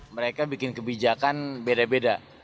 mereka bikin kebijakan beda beda